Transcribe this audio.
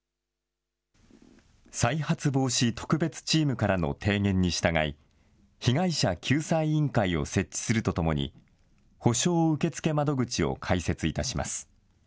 再発防止特別チームからの提言に従い、被害者救済委員会を設置するとともに、補償受付窓口を開設いたします。